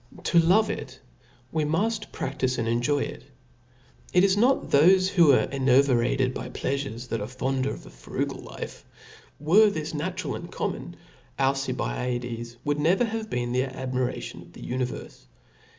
To love it, we muft pra&ife and enjoy it. It is not thcfe who are enervated with pleafure, that are &nd of a frugal life % were this natural and com mon, Alcibtades would never have been the admi* ration of the univerle.